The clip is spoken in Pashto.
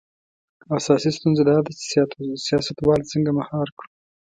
اساسي ستونزه دا ده چې سیاستوال څنګه مهار کړو.